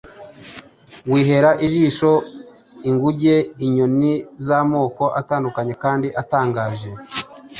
wihera ijisho inguge n’inyoni z’amoko atandukanye kandi atangaje.